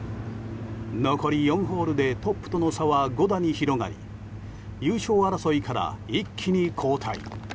残り４ホールでトップとの差は５打に広がり優勝争いから一気に後退。